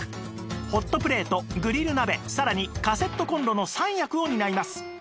ホットプレートグリル鍋さらにカセットコンロの３役を担います